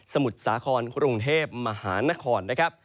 สมุทรสาครกรุงเทพมหานคร